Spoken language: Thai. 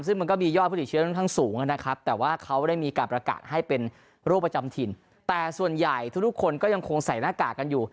ซึ่งมันก็มียอดผู้ติดเชื้อค่อนข้างสูงนะครับแต่ว่าเขาได้มีการประกาศให้เป็นโรคประจำถิ่นแต่ส่วนใหญ่ทุกคนก็ยังคงใส่หน้ากากกันอยู่